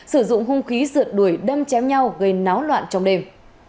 sử dụng hung khí rượt đuổi đâm chém nhau gây náo loạn trong đêm